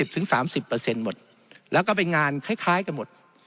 ๒๐ถึง๓๐เปอร์เซ็นต์หมดแล้วก็เป็นงานคล้ายกันหมด